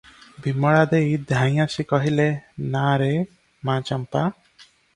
ବିମଳା ଦେଈ ଧାଇଁ ଆସି କହିଲେ, "ନା ରେ ମା ଚମ୍ପା!